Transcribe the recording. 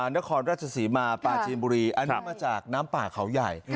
นครราชศรีมาปลาจีนบุรีอันนี้มาจากน้ำป่าเขาใหญ่